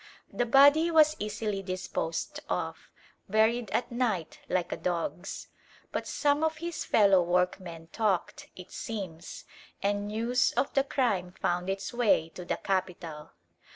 The body was easily disposed of, buried at night like a dog's. But some of his fellow workmen talked, it seems, and news of the crime found its way to the capital.